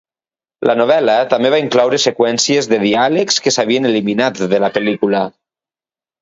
La novel·la també va incloure seqüències de diàlegs que s'havien eliminat de la pel·lícula.